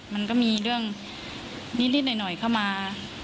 มันก็มีเรื่องนิดหน่อยเข้ามา